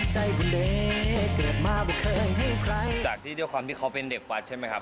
จากที่ด้วยความที่เขาเป็นเด็กวัดใช่ไหมครับ